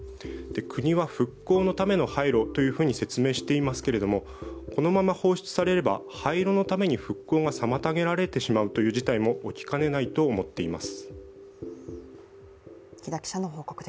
国は復興のための廃炉というふうに説明をしていますけれどもこのまま放出されれば、廃炉のために復興が妨げられてしまうという事態も起きてしまうと思っています。